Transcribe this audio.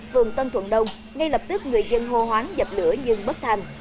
phường tân thuận đông ngay lập tức người dân hô hoáng dập lửa nhưng bất thành